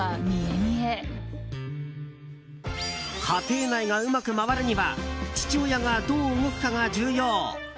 家庭内がうまく回るには父親がどう動くかが重要。